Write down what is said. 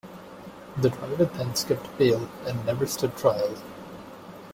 The driver then skipped bail and never stood trial.